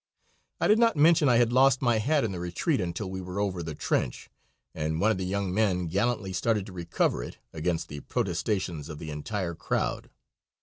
I did not mention I had lost my hat in the retreat until we were over the trench, and one of the young men gallantly started to recover it, against the protestations of the entire crowd.